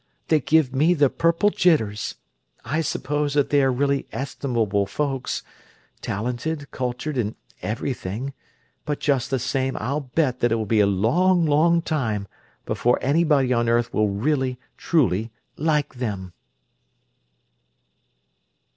They give me the purple jitters! I suppose that they are really estimable folks; talented, cultured, and everything; but just the same I'll bet that it will be a long, long time before anybody on earth will really, truly like them!"